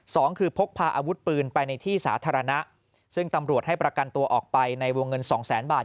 สองคือพกพาอาวุธปืนไปในที่สาธารณะซึ่งตำรวจให้ประกันตัวออกไปในวงเงินสองแสนบาท